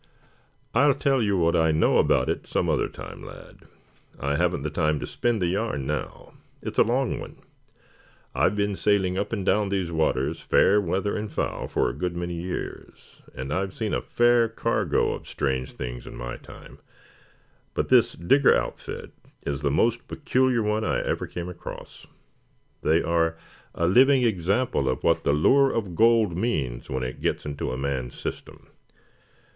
"I'll tell you what I know about it some other time, lad. I haven't the time to spin the yarn now. It's a long one. I've been sailing up and down these waters, fair weather and foul, for a good many years, and I've seen a fair cargo of strange things in my time, but this Digger outfit is the most peculiar one I ever came across. They are a living example of what the lure of gold means when it gets into a man's system.